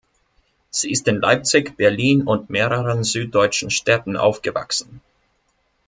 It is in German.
Sie ist in Leipzig, Berlin und mehreren süddeutschen Städten aufgewachsen.